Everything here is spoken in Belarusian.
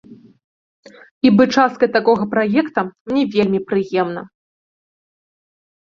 І быць часткай такога праекта мне вельмі прыемна.